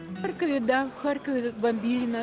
kota terbesar kedua ukraina